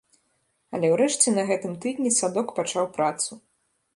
Але ўрэшце на гэтым тыдні садок пачаў працу.